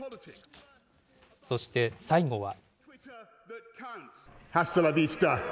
そして最後は。